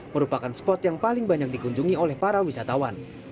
merupakan spot yang paling banyak dikunjungi oleh para wisatawan